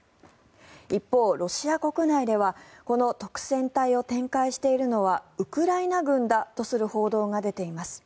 一方、ロシア国内ではこの督戦隊を展開しているのはウクライナ軍だとする報道が出ています。